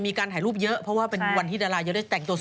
พี่หนุ่มเป็นคนอ่านค่ะ